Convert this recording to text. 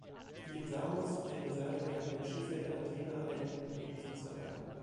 Die in Samos in Reserve gehaltenen Schiffe der Athener eilten nun ebenfalls herbei.